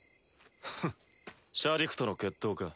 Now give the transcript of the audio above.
ふっシャディクとの決闘か。